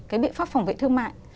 cái biện pháp phòng vệ thương mại